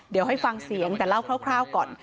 เดี๋ยวให้ฟังเสียงแต่เล่าคร่าวก่อน